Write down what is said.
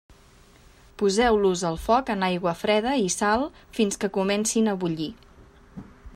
Poseu-los al foc en aigua freda i sal fins que comencin a bullir.